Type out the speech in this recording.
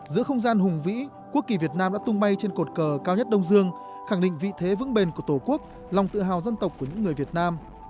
giữa không gian hùng vĩ quốc kỳ việt nam đã tung bay trên cột cờ cao nhất đông dương khẳng định vị thế vững bền của tổ quốc lòng tự hào dân tộc của những người việt nam